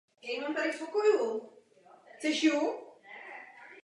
Dámy a pánové, mám pro vás nyní velmi důležitou informaci.